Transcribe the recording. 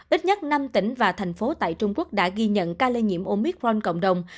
ít nhất năm tỉnh và thành phố tại trung quốc đã ghi nhận ca lây nhiễm omicron cộng đồng